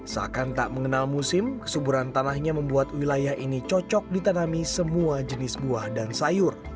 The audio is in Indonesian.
seakan tak mengenal musim kesuburan tanahnya membuat wilayah ini cocok ditanami semua jenis buah dan sayur